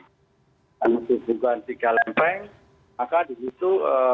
kalau sumbukan tiga lempeng maka di situ